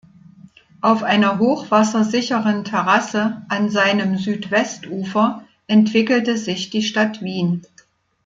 Auf einer hochwassersicheren Terrasse an seinem Südwestufer entwickelte sich die Stadt Wien.